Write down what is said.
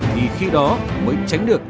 thì khi đó mới tránh được